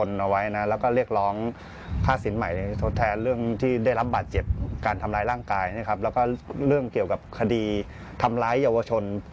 แล้วก็เรื่องเกี่ยวกับคดีทำร้ายเยาวชน